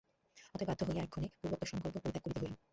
অতএব বাধ্য হইয়া এক্ষণে পূর্বোক্ত সংকল্প পরিত্যাগ করিতে হইল।